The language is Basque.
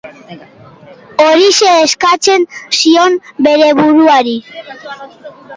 Horixe eskatzen zion bere buruari.